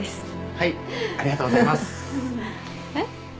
はいありがとうございますえっ？